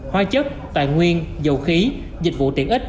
hoa chất toàn nguyên dầu khí dịch vụ tiện ích